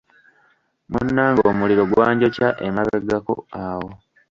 Munange omuliro gwanjokya emabegako awo!